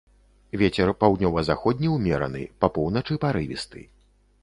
Вецер паўднёва-заходні ўмераны, па поўначы парывісты.